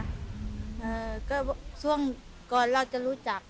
ก็ส่วนก่อนเราจะรู้จัก